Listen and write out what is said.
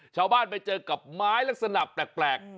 ชาวบ้านไปเจอกับไม้ลักษณะแปลก